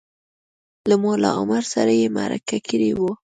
له ملا عمر سره یې مرکه کړې وه